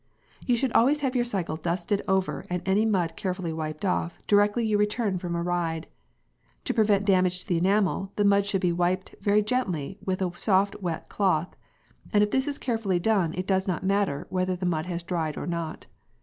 p> You should always have your cycle dusted over and any mud carefully wiped off, directly you return from a ride. To prevent damage to the enamel, the mud should be wiped very gently with a soft wet cloth, and if this is carefully done it does not matter whether the mud has dried or not.